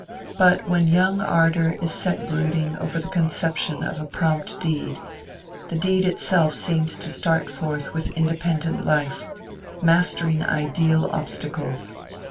But when young ardor is set brooding over the conception of a prompt deed, the deed itself seems to start forth with independent life, mastering ideal obstacles.